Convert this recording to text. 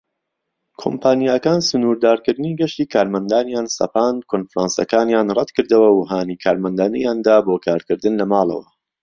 کۆمپانیاکان سنوردارکردنی گەشتی کارمەندانیان سەپاند، کۆنفرانسەکانیان ڕەتکردەوە، و هانی کارمەندانیاندا بۆ کارکردن لە ماڵەوە.